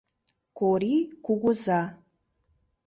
Корий кугыза.